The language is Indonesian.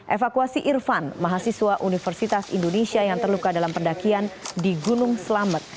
evakuasi irfan mahasiswa universitas indonesia yang terluka dalam pendakian di gunung selamet